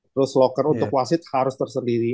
terus locker untuk wasit harus tersendiri